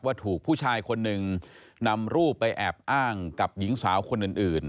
ถูกผู้ชายคนหนึ่งนำรูปไปแอบอ้างกับหญิงสาวคนอื่น